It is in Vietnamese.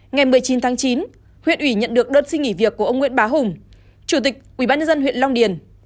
ngày một mươi chín tháng chín huyện ủy nhận được đơn xin nghỉ việc của ông nguyễn bá hùng chủ tịch ubnd huyện long điền